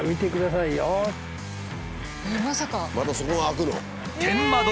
またそこが開くの？